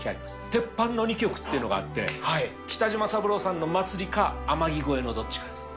テッパンの２曲っていうのがあって、北島三郎さんのまつりか、天城越えのどっちかです。